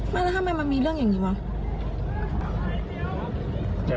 ไม่แล้วทำไมมันมีเรื่องอย่างนี้วะ